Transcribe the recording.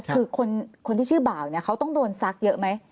คือคนที่ชื่อบ่าวเนี่ยเขาต้องโดนซักเยอะไหม